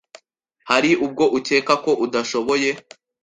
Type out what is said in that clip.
Hari ubwo ukeka ko udashoboye